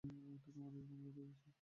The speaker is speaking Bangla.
এটা আমার জীবনে ঘটে গেছে।